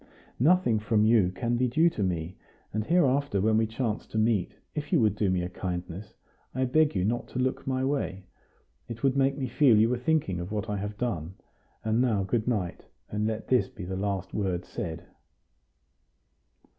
"Nothing from you can be due to me; and hereafter when we chance to meet, if you would do me a kindness, I beg you not to look my way. It would make me feel you were thinking of what I have done. And now good night; and let this be the last word said."